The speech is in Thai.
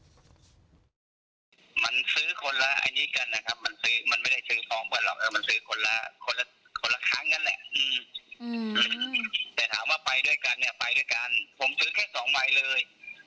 ผมซื้อแค่๒ไหมเลย